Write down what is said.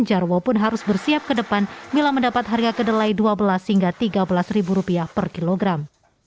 jarwo pun harus bersiap kedepan bila mendapat harga kedelai dua belas hingga tiga belas rupiah per kilogram